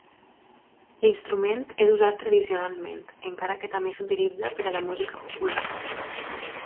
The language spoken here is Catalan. L'instrument és usat tradicionalment, encara que també s'utilitza per a la música popular.